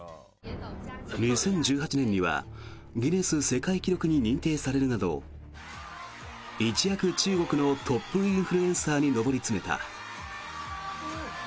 ２０１８年にはギネス世界記録に認定されるなど一躍中国のトップインフルエンサーに上り詰めた。